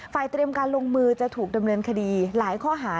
เตรียมการลงมือจะถูกดำเนินคดีหลายข้อหา